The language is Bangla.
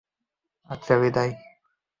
আচ্ছা, বিদায়।